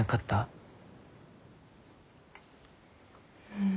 うん。